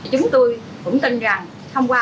chúng tôi cũng tin rằng thông qua